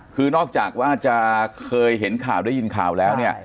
คือนอกจากว่าจะเคยเห็นข่าวได้ยินข่าวแล้วเนี่ย